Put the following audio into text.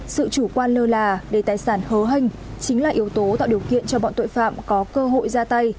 sự chủ quan lơ là để tài sản hớnh chính là yếu tố tạo điều kiện cho bọn tội phạm có cơ hội ra tay